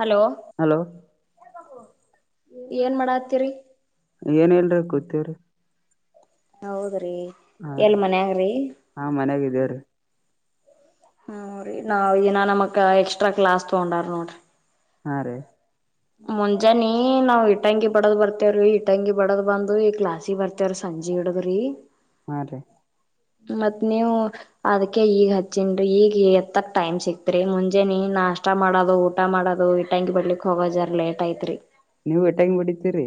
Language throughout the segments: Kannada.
ಹಲೋ ಹಲೋ ಏನ್ ಮಾಡಾತ್ತೀರಿ ಏನ್ ಹೇಳ್ರಿ ಗೊತಿವ್ರಿ ಹೌದ್ರಿ ಹಾ ರೀ ಎಲ್ ಮನ್ ಆಗ್ರಿ ಹಾ ಮನ್ಯಾಗಿದೇವ್ರಿ ಹ್ರರಿ ನಾವ್ ನ ನಮಕ್ ಎಕ್ಸ್ಟ್ರಾ ಕ್ಲಾಸ್ ತಗೊಂಡಾರ ನೋಡ್ರಿ ಹಾ ರೀ ಮುಂಜಾನೆ ನಾವ್ [unintelligible] ಇಟ್ಟ ಇಟಂಗಿ [unintelligible] ಬಡದ ಬರ್ತೆೇವ್ರೀ ಇಟಂಗಿ [unintelligible] ಬಡದ್ ಬಂದ್ ಈ ಕ್ಲಾಸಿ ಬರ್ತೆೇವ್ರ ಸಂಜೆ ಹಿಡದ್ರಿ ಹಾ ರೀ ಮತ್ತ್ ನೀವು ಅದಕ್ಕೆ ಈಗ ಹಚ್ಚಿ [unintelligible] ತಿನ್ ಈಗ ಎತ್ತಕ್ ಟೈಮ್ ಸಿಕ್ತ್ರಿ ಮುಂಜೆ ನೀ [unintelligible] ನಾಷ್ಟ [unintelligible] ಇಷ್ಟ ಮಾಡೋದು ಊಟ ಮಾಡೋದು ಈಟಂಗಿ ಬಡ್ಲಿಕ್ ಹೋಗೋದು ಜರ್ ಲೇಟ್ ಐತ್ರಿ ನೀವು ಈಟಿಂಗ್ ಬಡೀತೀರಿ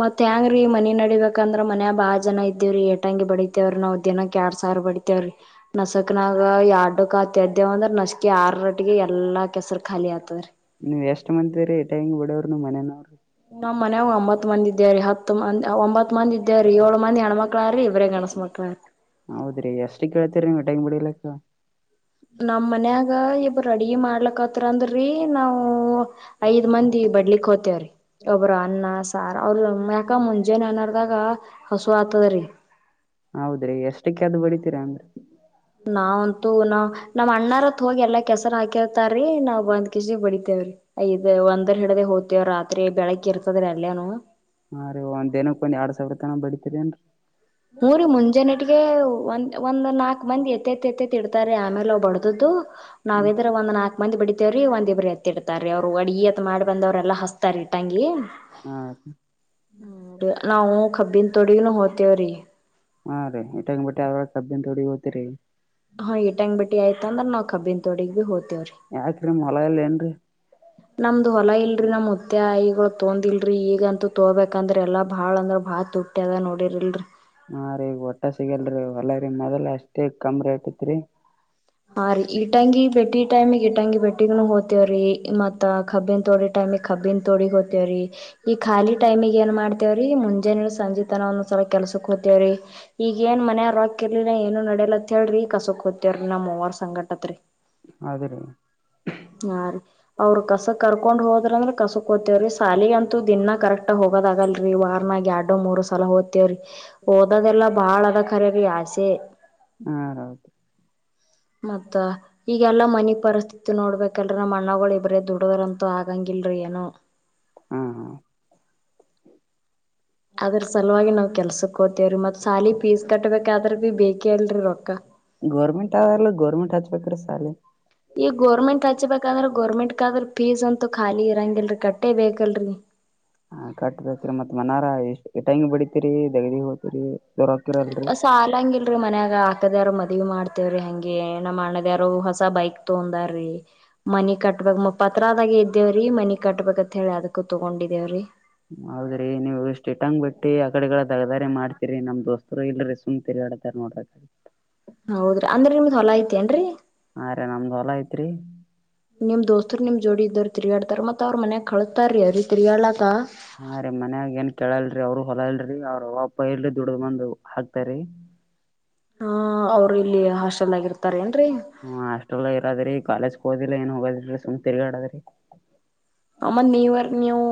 ಮತ್ತ ಹೆಂಗ್ರೀ ಮನೆ ನಡಿಬೇಕ ಅಂದ್ರ ಮನ್ಯ ಬಾ ಜನ ಇದ್ದವ್ರೀ ಏಟಂಗಿ ಬಡಿತೇವ್ರ ನಾವು ದಿನಕ್ ಎರಡು ಸಾವಿರ ಬಡಿತೇವ್ರೀ [unintelligible] ನಸಕ್ನಾಗ ಆ ಎರ್ಡ್ಡಕ್ತ್ದೇವ ಅಂದ್ರ ನಸಕಿ ಆರ ಗಂಟ್ಟಿಗೆ ಎಲ್ಲಾ ಕೆಸರ ಖಾಲಿ ಆತವರು ನೀವ್ ಎಷ್ಟ್ ಮಂದತ್ವರಿೀ ಟೈಂಗ್ ಬಿಡೋವ್ ನೀ್ ಮನೇನವ್ರರು ನಮ್ಮ್ ಮನವಾಗ ಅಂಬತ್ ಮಂದಿ ಇದ್ಯ ಹತ್ ಹ ಮಂದ ಒಂಬತ್ ಮಂದಿ ಇದ್ದವ್ರೀ ಏಳು ಮಂದಿ ಹೆಣ್ಮಕ್ಳಾರ್ರಿ ಇವರೇ ಗಣಸ ಮಕ್ಳ್ರಿ ಹೌದ್ರಿ ಎಷ್ಟು ಕೇಳ್ತೀರಿ ನೀ ಒಟಂಗ್ ಬಿಡಿಲಿಕ್ಕ ನಮ್ ಮನ್ಯಾಗ ಇಬ್ ರೆಡಿ ಮಾಡ್ಲಕ್ತ್ರ ಅಂದ್ರಿ ನಾವ ಐದ್ ಮಂದಿ ಬಡ್ಲಿಕ್ ಹೋಗತೇವ್ರಿ ಒಬ್ಬ್ರ ಅನ್ನ ಸಾರ್ ಅವರು ಯಕ ಮುಂದೆ ಜಜನ ಅನರ್ದಾಗ ಹೌದ್ರಿ ಎಷ್ಟಕ್ಕೆ ಅದು ಬಡಿತೀರಾ ಅಂದ್ರೆ ನಾವಂತೂ ನ ನಮ್ಮ್ ಅಣ್ಣಾರತ್ ಹೋಗಿ ಎಲ್ಲಾ ಕೆಸರ ಹಾಕಿರ್ತಾರೀ ನಾವವು ಒಂದ್ ಕೆಜಿ ಬಡಿತೇವ್ರೀ ಇದ್ ಒಂದರ ಹಡದ ಹೋದ ವ್ ರಾತ್ರಿ ಬೆಳಗ್ಿ ಇರ್ತದ್ರ ಅಲ್ಲಿಯನು ಹಾಂ ರೀ ಒಂದ್ ದಿನಕ್ಕೆ ಒಂದ ಎರಡ್ ಸಾವಿರ ತನ ಬಡಿತೀರಿೇನ್ರಿ ಹಊರಿ ಮುಂಜಾನೆಟಿಗೆ ಒಂದ್ ಒಂದ ನಾಕ ಮಂದಿ ಎತೆ ಇಡ್ತಾರೆ ಆಮೇಲೆ ಅವ್ ಬಡದ್ದು ನಾವಿದ್ರೆಂದ್ ನಾಕು ಒಂದ್ ಬಿಡಿತೇವ್ರೀ ಒಂದಿಬ್ಬರು ಎತ್ತಿಡ್ತಾರೆ ಅವ್ರು ಅಡಿತ್ತ ಮಾಡಿ ಬಂದವ್ರ ಎಲ್ಲ ಹಸ್ತಾರೆ ತಂಗಿ ಹ ಹಾ ನಾವು ಕಬ್ಬನ್ ತೊಡಿಗನು ಹೋಗ್ತೇವ್ರಿ ಹಾ ರೀ ಇಟ್ಟ ಹಂಗ್ ಬಟ್ಟಿ ಅವ್ರಾಗ ಕಬ್ಬಿನ್ ತೊಡಿ ಹೋತತಿರಿ ಹಾ ಈಟಂಗ್ ಬಿಟ್ಟಿ ಆಯ್ತ ಅಂದ್ರೆ ನಾವು ಕಬನ್ ತೋಡಿಿಗೆ ಬಿ ಹದ್ವಿ ಯಾಕ್ರಿ ನಿಮ್ ಹೊಲ ಇಲ್ಲ ಏನ್ರಿ ನಮ್ದು ಹೊಲ ಇಲ್ರಿ ನಮ ಮತ್ತ ಈಗಳು ತೊಂದಿಲ್ರಿ ಈಗಂತೂ ತೋ್ಬೇಕಂದ್ರೆ ಎಲ್ಲಾ ಭಾಳ ಅಂದ್ರ ಭಾಳ್ ತುಟ್ಟ್ಯ ಅದ ನೋಡಿರ್ಲ್ರಿ ಹೊಲ್ಲರಿೀ ಮೊದಲ್ ಅಷ್ಟೇ ಕಮ್ ರೇಟ್ ಐತ್ರಿ ಹಾ ರೀ ಇಟಂಗಿ ಬೆಟ್ಟಿ ಟೈಮಿಗೆ ಇಟ್ಟಂಗಿ ಬೆಟ್ಟಿೂ ಹೋತೇವ್ರೀ ಮತ್ತ ಕಬ್ಬಿನ್ ತೋಡಿ ಟೈಮಿ ಕಬ್ಬಿನ್ ತೋಡಿಗ್ ಹೋತೇವ್ರರಿ ಈ ಖಾಲಿ ಟೈಮಗ್ ಏನ್ ಮಾಡ್ತೇವ್ರಿ ಮುಂಜಾನ ಸಂಜೆ ತನ ಒಂದೊಂದ್ಸಲ ಕೆಲ್ಸಕ್ ಹತೇವ್ರಿ ಈಗ ಏನ್ ಮನಯವರಾಕಿರ್ಲಿಲ್ಲ ಏನು ನಡಲತ್ ಹೇಳ್ರಿ ಕಸಕ್ ಹತ್ತವ್ರರಿ ನಮ್ವರ್ ಸಂಗಟತ್ರರಿ ಅದ ರೀ ಹಾ ರೀ ಅವ್ರ ಕಸ ಕರ್ಕೊಂಡ್ ಹೋದ ಂದ್ರ ಕಸಕ್ ತೇವ್ರೀ ಸಾಲಿ ಅಂತೂ ದಿನ ಕರೆಕ್ಟ್ ಹೋಗೋದ ಆಗಲ್ರಿ ವಾರ್ ನಾಗ ಎರಡು ಮೂರು ಸಲ ಹದ ವ್ರಿ ಓದದೆಲ್ಲಾ ಬಾಳ ಅದ ಖರಿ ಆಸೆ ಹಾೌದು ಮತ್ತ ಈಗೆಲ್ಲಾ ಮನಿ ಪರಿಸ್ಥಿತಿ ನೋಡ್ಬೇಕಲ್ರ ನಮ್ಮ್ ಅಣ್ಣಗಳು ಒಬ್ರೇ ದುಡದ್ರಂತೂ ಆಗಂಗಿಲ್ರರಿ ಏನೋ ಹ್ಮ ಹಾ ಅದ್ರ ಸಲುವಾಗಿ ನಾವ್ ಕೆಲ್ಸ ಕೋತೇವ್ರೀ ಮತ್ ಸಾಲಿ ಪಫೀಸ್ ಕಟ್ಬೇಕಾದ್ರ ಬಿ ಬೇಕೇ ಅಲ್ರೀ ರೊಕ್ಕ ಗೌರ್ಮೆಂಟ್ ಅವಲ್ಲ ಗೋರ್ಮೆಂಟ್ ಹಚ್ಬೇಕ್ರ ಸಾಲೆ ಈ ಗೋರ್ಮೆಂ ಹೆ ಬ ಗೋರ್ಮೆಂಟ್ ಕ ಆದ್ರ ಫೀಸ್ ಅಂತೂ ಖಾಲಿ ಇರಂಗಲ್ರರಿ ಕಟ್ಟೆ ಬೇಕಲ್ರರಿ ಹಾ ಕಟ್ಟತರಿ ಮತ್ ಮನಾರ ಎಷ್ಟ್ ಎಟಂಗಿ ಬಡಿತರಿ ದಗದಿ ಹೋಗತರಿ ಸಾಲಂಗಿಲ್ರಿ ಮನ್ಯಾಗ ಆ ಕ್ಕದಾರ ಮದವಿ ಮಾಡ್ತೇವ್ರೀ ಹಗೆ ನಮ್ಮ್ ಅಣ್ಣದಾರು ಹೊಸ ಬೈಕ್ ತೊಂದಾರ್ರೀ ಮನಿ ಕಟ್ಟ ಾಗ ಪತ್ರದಾಗೆ ಇದ್ದೇವ್ರೀ ಮನಿ ಕಟ್ಬೇಕಂತತ್ ಹೇಳಿ ಅದಕ್ಕೂ ತೊಗೊಂಡಿದ್ದೇವ್ರೀ ಹೌದ್ರೆ ನೀವು ಸ್ಟೇಟ್ಂಗ್ ಬಿಟ್ಟು ಆ ಕಡೆಗಳ ತಗದಾರಿ ಮಾಡ್ತಿೀರಿ ನಮ್ ದೋಸ್ತರು ಇಲ್ರಿ ಸುಮ್ತರಿಡ ನೋಡ ಹೌದ್ರಿ ಅಂದ್ರೆ ನಿಮ್ದ ಹೊಲ ಐತಿ ಏನ್ರರಿ ಹಾ ರೀ ನಮ್ದ್ ಹೊಲ ಐತ್ರಿ ನಿಮ್ ದೋಸ್ತರು ನಿಮ್ ಜೋಡಿ ಇದ್ದರು ತಿರುಗಾಡ ಧರ್ಮತ್ ಅವ್ರ ಮನ್ಯಾಗ ಕಳತಾರ ರೀ ಅ ರೀತಿತ್ರಿಯಲ್ಲಕ್ಕ ಹಾ ರರಿೀ ಮನ್ಯಾಗ ಏನ್ ಕೇಳಲ್ರಿ ಅವ್ರ ಹೊಲ ಇಲ್ರಿ ಅವ್ರ ಒಪ ಇಲ್ರಿ ದುಡ್್ದ ಬಂದು ಹಾಕ್ತರಿ ಹಾ ಅವ್ರು ಇಲ್ಲಿ ಹಾಸ್ೆಲ್ ಆಗಿರ್ತಾರೆ ಹ್ಮ ಹಾಸ್ಟೆಲ್ ಇರದ್ರಿ ಕಾಲೇಜ್ಗೆ ಹೋದಿಲ್ಲ ಏನ್ ಹೋಗೋದ್ರಿ ಸುಮ್ ತಿರ್ಗಾಡದ್ರಿ ಆಮ್ಮತ್ ನೀವರ್ ನೀವು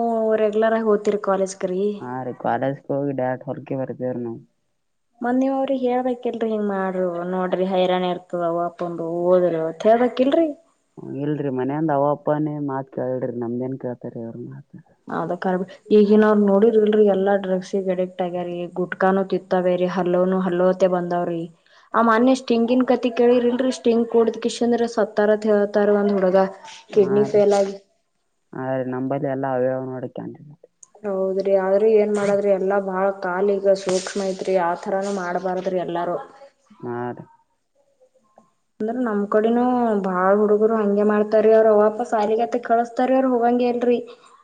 ರೆಗ್ಯುಲರ್ ಆಗಿ ಹೋ್ತೀರಿ ಕಾಲೇಜ್ ಹಾ ರೀ ಕಾಲೇಜ್ಗೆ ಹೋಗಿ ಡಟ್ ಹೊರಗೆ ಬರ್ತೇವೀ ನಾವು ಮನಿವ್ರಿ ಹೇಳ್ಬೇಕಿಲ್ರಿ ಮಾಡ್ರರು ನೋಡ್ರಿ ಹೈರಾಣ ಇರ್ತದ ಒಾಪೊಂಡು ಓದತ್ ಹ ಹೇಳದಕಿಲ್ರರಿ ಹ ಇಲ್ರಿ ಮನೇಂದ ಅವ ಅಪ್ಪಾನೇ ಮಾತ್ ಕೇಳ್ರಿ ನಮ್ದೇನ್ ಕೇಳ್ತಾರೀ ಅವ್ರ ಮಾತ್ ಹೌದ ಕಬ ಈಗಏನ ಅವ್ರರು ನೋಡಿರ್ಲ್ರಿ ಎಲ್ಲಾ ಡ್ರಗ್ಸಿಗೆ ಅಡಿಕ್ಟ್ ಆಗ್ಯೀ ಗುಟ್ಕಾನು ತಿತ್ತಾವೇರಿ ಹಲ್ಲೋನು ಹಲ್ಲೋತ್ತ ಬಂದಾವ್ರಿ ಆ ಮೊನ್ಯಷ್ಟ್ಟಿಂಗಿನ್ ಕತಿ ಕೇಳಿರಿನ್ರೀ ಸ್ಟಿಂಗ್ ಕೂಡದ್ ಕ ಇಶಂದ್ರ ಸತ್ತಾರೇತಾರಂದ ಹುಳಗ ಹಾ ರೀ ಆ ರೀ ನಂಬಲ್ಲಿ ಎಲ್ಲ ಅವ್ಯವ ನೋಡೋಕಂತೆ ಹೌದ್ರಿ ಆದ್ರೂ ಏನ್ ಮಾಡದ್ರಿ ಎಲ್ಲಾ ಬಾಳ ಕಾಲಿಗ ಸೂಕ್ಷ್ಮ ಐತ್ರಿ ಆತರಾನ ಮಾಡ್ಬಾರದ್ರಿ ಎಲ್ಲಾರೂ ಹ ಅಂದ್ರೆ ನಮ್ ಕಡೆನೂ ಬಾಳ್ ಹುಡುಗರು ಹಂಗೆ ಮಾಡ್ತಾರಿ ಅವ್ರ್ ಅವಪ ಸಾಲಿಗೆಗತೆ ಕಳಸ್ತಾರ ಅವ್ರು ಹೋಗಂಗೆ ಎಲ್ರರಿ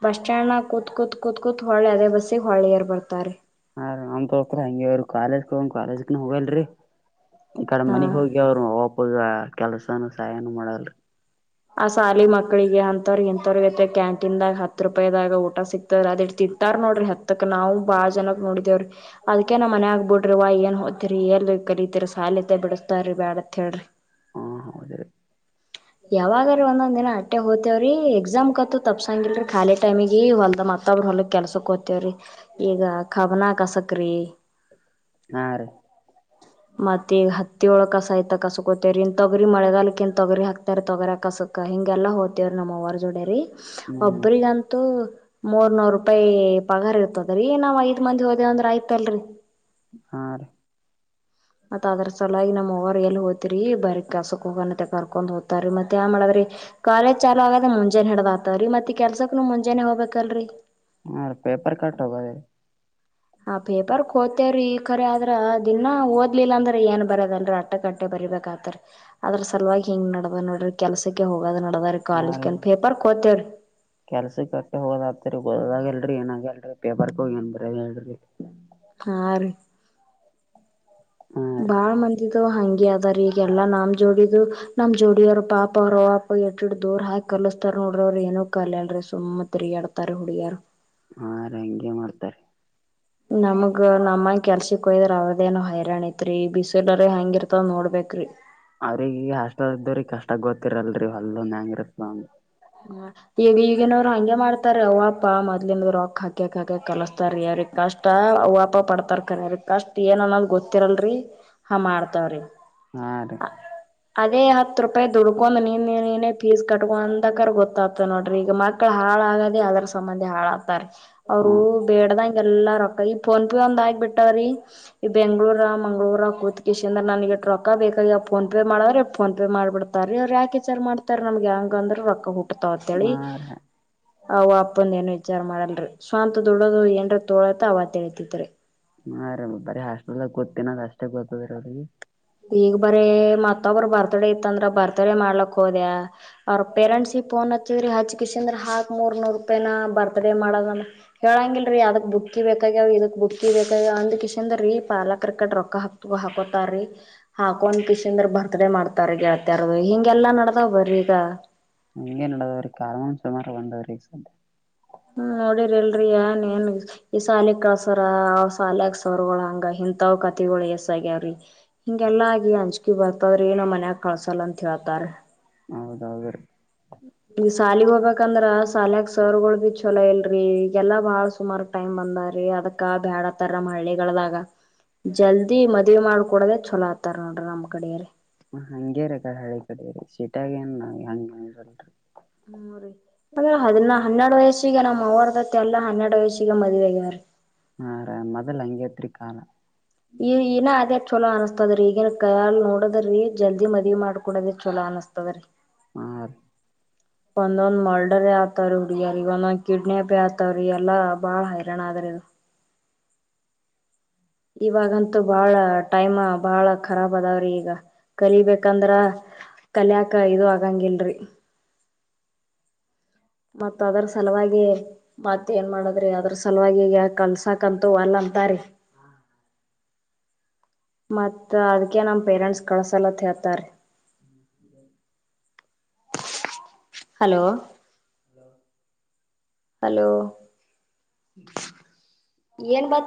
ಬಸ್ ಸ್ಟ್ಯಾಂಡ್ ನ ಕೂತ್ ಕೂತ್ ಕೂತ್ ಕೂತ್ ಹೊಳ್ಳೆ ಅದೇ ಬಸ್ಸಿಗೆ ಹೊಳ್ಳೆಯರ್ ಬರ್ತಾರೆ ಹಾ ನಮ್ ತೋಸ್ತ್ರ ಹಂಗಗೆ ಅವವ ಕಾಲೇಜ್ ಹ್ ಕಾಲೇಜಕನ ಹೋಗಲ್ರರಿ ಕಡೆ ಹಾ ಮನೆಗ್ ಹೋಗಿ ಅವರು ಒಪದ ಕೆಲ್ಸನ ಸಹಾಯನೂ ಮಾಡಲ್ ಆ ಸಾಲಿ ಮಕ್ಕಳಿಗೆ ಅಂತ ಇಂಂತವ್ರಗ ಐತೆ ಕ್ಯಾಂಟೀನ್ದಾಗ ಹತ್ತು ರೂಪಾಯದಾಗ ಊಟ ಸಿಕ್ತ ಅದು ಇ ತಿತ್ತಾರ್ ನೋಡ್ರಿ ಹತ್ತಕ್ ನಾವು ಬಾ ಜನಕ್ ನೋಡಿದೇವರಿ ಅದಕೇ ನಾ್ ಮನೆ ಆಗ್ಬ ಬಿಡ್ರ ಏನ್ ಹೋತಿರಿ ಎಲ್ ಕಲಿತಿರಿ ಸಾಲತೆ ಬಿಡಿಸಸ್ತಾರೀ ಬೇಡತ್ ಅಂತ ಹೇಳ್ರಿ [inaudible] ಹಾ ಹೌದ ಯಾವಾಗ್ರೀ ಒಂದೊಂದ್ ದಿನ ಅಟ್ಟೆ ಹೋತರಿ ವ್ರೀ ಎಕ್ಸಾಮ್ ಕತ್ತ ತಪ್ಸಂಗಿಲ್ಲಲ್ರಿ ಖಾಲಿ ಟೈಮಿಗೆಗ ಹೊಲ್ದ ಮತ್ತಬ್ ಹೊಕ್ಕೆ ಕೆಸಕ್ ಹ್ತೇವ್ರೀ ಈಗ ಖಬನ ಕ ಸಕ್ರ ಹಾ ರೀ [inaudible] ಮತ್ತ ಈಗ ಹತ್ತಿಳ ಕಸ ಆಯತ ಕಸ ಕೋತವರಿ ಇನ್ ತಗರಿ ಮಳೆಗಾಲಕ್ ಇನ್ ತೊಗರಿ ಹಾಕ್ತಾರ ತಗರಿ ಕಸ ಅ ಹಿಂಗೆಲ್ಲ ಹೋಗ್ತೀವ್ರ ನಮ್ಮ ಹೊರ ಜೋಡ ರೀ ಹ್ಮ್ ಹ್ಮ್ ಒಬರಿಗಂತೂ ಮೂರ್ ನೂರ್ ರೂಪಾಯಿ ಪಗಾರ್ ಇರ್ತದ್ರೀ ನಾವ್ ಐದ ಮಂದಿ ಹೋದೇವ ಅ್ರ ಆಯ್ತಲ್ರರಿ ಆ [inaudible] ಮತ್ತತ್ ಅದ್ರ ಸಲಾಗಿ ನಮ್ಮ ಅವರ್ ಎಲ್ಲಿ ಹೋ್ತಿರಿ ಬರಿ ಕಸಕ್ ಹೋಗ ಕರ್ಕೊಂಡ್ ಹದ್ತಾರ ಮತ್ತತ್ ಯ್ ಮಾಡದ್ರಿ ಕಾಲೇಜ್ ಚಾಲು ಆಗದ ಮುಂಜಾನೆ ಹಿಡ್ದ್ ಆತವ್ರೀ ಮತ್ತತ್ ಕೆಲ್ಸಕ್ನು ಮುಂಜಾನೆ ಹೋಗ್ಬೇಕಲ್ರರಿ ಹಾ ರೀ ಪೇಪರ್ ಕಟ್ ಹೋಗೋದ್ರಿ ಹಾ ಪೇಪರ್ ಕೋಚ್ ಮವ್ರ ಈ ಕರೆ ಆದ್ರ ದಿನಾ ಓದ್ಲಿಲ್ಲ ಅಂದ್ರೆ ಏನ್ ಬರದಲ್ರ ಅಟ್ಟೆಕಟ್ಟೆ ಬರಿಬೇಕಾಗತಾರದ ಸಲವಾಗಿ ಹ ಹೆಂಗ ನಡ್ದದ್ ನೋಡ್ರಿ ಕೆಲ್ಸಕ್ಕೆ ಹೋಗದ್ ನಡ್ದ್ರ ಕಾಲಜ ಕಂತ ಪೇಪರ್ ಕೋತೇವ್ರಿ ಕೆಲ್ಸ ಕಟ್ಟ ಹೋಗೋದ ಆಗ್ತರಿ ಓದಾಗಲ್ರರಿ ಏನಾಗಲ್ರರಿ ಪೇಪರ್ ಕೋಗಿ ಏನ್ ಬರ ಹೇಳಲ್ರಿ ಹಾ ರೀ ಹಾ ರೀ ಬಾಳ್ ಮಂದಿದವ ಹಂಗಿ ಅದಾರ ಈಗಲ್ಲಾ ನಮ್ ಜೋಡಿದು ನಮ್ ಜೋಡಿಯರು ಪಾಪ ಅವರು ಅ ಎಟ್ಡ್ ದೋರ್ ಹಾಕ್ ಕಲಿಸಸ್ತಾರ್ ನೋಡ್ರಿ ಅವ್ರರು ಏನ ಕಲ್ಲ್ರಿ ಸುಮ್ಮತ್ರಿ ಎಳ್ತಾರ ಹುಳಿಯರು ಹಾ ರ ಹಂಗಗೆ ಮಾಡ್ತಾರೆ ನಮಗ ನಮ್ಮ ಕೆಲ್ಸಿ ಯ್ರ ಅವ್ರದೇಏನು ಹೈರಾಣಐತ್ರಿ ಬಿಸಿಲರಿ ಹಂಗಿರ್ತವ್ ನೋಡ್ಬೇಕ್ರಿ ಅವ್ರಿಗೆ ಹಷ್ಟ ಇದ್ದ್ರಿ ಕಷ್ಟ ಗೊತ್ತಿರಲ್ರಿ ಹೊಲ್ಲೊನ್ ಹೆಂಗ ಇರ್ತ ಹ ಈಗ ಈಗನೋರು ಹಂಗೆ ಮಾಡ್ತಾರೆ ಅವ್ಪಾ ಮೊದಲನ್ ರಾಕ್ ಹಾಕಕ್ಕ ಕಲಸ್ತಾರೀ ಅವ್ರಿಗೆ ಕಷ್ಟಪ ಪಡ್ತಾರ ಅವ್ರಿಗೆ ಕಷ್ಟ ಏನ್ ಅನ್ನೋದು ಗೊತ್ತಿರಲ್ ಹಾ ಮಾಡ್ತಾವ್ರಿ ಹಾ ರೀ ಅದೇ ಹತ್ ರೂಪಾಯಿ ದುಡ್ಕೊ ನೀನ್ನೇ ಪೀಸ್ ಕಟ್ಕೊಂತ ಕ ಗೊತ್ತ್ತ ನೋಡ್ರಿ ಈಗ ಮಕ್ಳ ಹಾಳಾಗಾದದೆ ಅದ್ರ ಸಂಬಂಧಿ ಹಾಳಾಗತಾರೆ ಅವರು ಹಾ ಬೇಡದ ಹಗೆಲ್ಲ ರೊಕ್ಕ ಈ ಫೋನ್ ಪಿ ಒಂದ್ ಆಗಿಬ ಬಿಟ್ಟವ್ರೀ ಈ ಬೆಂಗ್ಳೂರ ಮಂಗಗಳೂರ ಕೂತ್ಕೇಶ ಅಂದ್ರ ನನಗೆ ಟ್ರೊಕ್ಕ ಬೇಕಾಗಿ ಫೋನ್ ಪೇ ಮಾಡ್ರೆಫೋನ್ ಪೇ ಮಾಡ್ಬಡ್ತಾರ ರ ಅವ್ರು ಯಕೆಚಾರ್ ಮಾಡತಾರೆ ತರ್ ನಮ್ಗೆ ಹೆಂಗ ಅಂದ್ರ ರೊಕ್ಕ ಹುಟ್ಟತಾವಂತೇಳಿ ಹಾ ರೀ ಅವ ಅಪ್ಪಂದ ಏನು ವಿಚಾರ ಮಾಡಲ್ರಿ ಸ್ವಂತ ದೊಡ್ಡೋದು ಏನ್ರ ತೋಳತ್ತ ಅವತ್ತ ಹೇಳ್ತಿದರಿ ಹಾಮ್ ಬರಿ ಹಾಸ್ಪೆಟಲ್ತೀನ ಅಷ್ಟೇ ಗೊತ್ತ ಬರ ಅವ್ರಿಗೆ ಈಗ ಬರೀ ಮತ್ತೊಬ್ಬ್ರ ಬರ್ತಡೇ ಇತ್ತಂದ್ರ ಬರ್ತಡ ಮಾಡ್ಲಕ್ ಹೋದ್ಯ ಅವ್ರ ಪೇರೆಂಟ್ಸ್ ಈಗ ನ್ ಹತ್ತವ್ರೀ ಹಚ್ ಕಸ ಅಂದ್ರ ಹಾಕ್ ಮೂರ್ ನೂರ್ ರೂಪಾಯನ ಬರ್ತದೆೇ ಮಾಡೋದ ಹೇಳಂಗಲ್ರೀ ಅದಕ್ ಬುಕ್ಕಿ ಬೇಕಾಗ್ಯಾವ್ ಇದಕ್ ಬುಕ್ಕಿ ಬೇಕಾಗ್ಯಾವ ಅಂದ್ ಕಿಶಂದ್ರೀ ಪಾಲಕರ್ ಕಟ್ಟ ರೊಕ್ಕ ಹಕ್ತ ಹಾಕತಾರೀ ಹಾಕೊಂದ ಪಿಶ ಅಂದ್ರ ಬರ್ ಮಡೆ ಮಾಡ್ತಾರ ಗೆಳ್ತಾರ ಹಿಂಗೆಲ್ಲಾ ನಡ್ದಾವ ಬರೀಗ ಹಿಂಗೇನಾಡ್ ಕಾರಣ ಸೋಮವಾರ ಬಂದಾರ್ರೀ ಹ್ಮ ನೋಡಿರಿ ಇಲ್ರಿ ಏನ್ ಏನ್ ಈ ಶಾಲಿ ಕಳ್ಸರ ಸಲ್ಯಾಗ ಸವರ್ಗಳ ಹಂಗ ಇಂತವ್ ಕತಿಗಳು ಎಸ್ಸ ಆಗ್ಯಾವ್ರಿ ಹಿಂಗೆಲ್ಲಾ ಆಗಿ ಹಂಚ್ ಅಕ್ಕಿ ಬರ್ತದ್ರ ಏನ ಮನ್ಯಾಗ ಕಳ್ಸಲ್ಲ ಅಂತ ಹೇತಾರೆ ಹೌದೌದ್ರ ಈಗ ಸಾಲಿಗೆ ಹೋಗ್ಬೇಕಂದ್ರ ಸಾಲಕ್ ಸರ್ಗಳು ಭ ಚಲೋ ಇಲ್ರರಿ ಈಗಲ್ಲಾ ಬಾಳ ಸುಮಾರು ಟೈಮ್ ಬಂದಾರೀ ಅದಕ್ಕ ಬೇಡ ತರ ಮಾಡ ಹಳ್ಳಿಗಳದಾಗ ಜಲ್ದಿ ಮದ್ವೆ ಮಾಡ್ಕ ಕೊಡದೇ ಚಛಲೋ ಆತ್ತಾರ ನೋಡ್ರಿ ನಮ್ಮ್ ಕಡೆಯರಿ ಹ ಹಂಗೇ ರೀ ಕ ಹಳಿ ಕಡ ರೀ ಶೀಟಾಗ ಏನ್ವ ಹಂಗಲ್ರಿ ಹ್ಮರಿ ಅ ಹದ್ ಹನ್ನೆರಡು ವಯಸ್ಸಿಗೆ ನಮ್ಮ್ ಅವರ ಆಗತ್ತೆ ಎಲ್ಲಾ ಹನ್ನೆಡು ವಯಸಿಗೆ ಮದುವ ಆಗವ್ರೀ ಹಾ ಮೊದಲ್ ಅಂಗೇತ್ರಿ ಕಾಲ ಈ ಇನ ಅದೇ ಚಲೋ ಅನಸ್ತ ಅತ್ದ್ರಿ ಈಗೇನ್ ಕಲ್ ನೋಡದ್ರೀ ಜಲ್ದಿ ಮದ್ವಿ ಮಾಡ್ಕಡೋದಿ ಚಲ ಅನಿಸಸ್ತದ್ರೀ ಆ ಒಂದೊಂದ್ ಮರ್ಡರ್ ಆತವ್ರಿ ಹುಡುಗರ್ಗ ಒಂದೊಂದ್ ಕಿಡ್ನ್ಯಪಿ ಆತವ್ರ ಎಲ್ಲಾ ಬಾಳ ಹೈರಾಣ ಆಗ್ ಮಾದರದು ಇವಾಗಂತೂ ಬಾಳ ಟೈಮ ಬಹಳ ಖರಾಬ್ ಅದಾವ್ರಿ ಈಗ ಕಲಿಬೇಕಂದ್ರ ಕಲಿಯಾಕ ಇದು ಆಗಂಗಿಲ್ರಿ ಮತ್ ಅದ್ರ ಸಲುವಾಗಿ ಮತಿ ಏನ್ ಮಾಡದ್ರಿ ಅದ್ರ ಸಲುವಾಗಿ ಕಲ್ಸಾಕ್ಂತು ಅಲ್ಲ ಬಾರೆ ಮತ್ತ ಅದ್ಕ ನಮ ಪೇರೆಂಟ್ಸ್ ಕಳ್ಸಲತ್ ಹೇಳ್ತಾರೆ ಹ ಹಲೋ ಹಲೋ ಏನ್ ಬ